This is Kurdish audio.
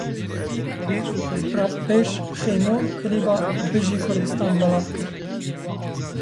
Rapbêj Xêmo klîpa “Bijî Kurdistan” belav kir.